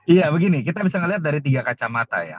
iya begini kita bisa melihat dari tiga kacamata ya